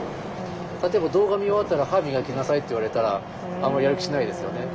例えば「動画見終わったら歯磨きなさい」って言われたらあまりやる気しないですよね。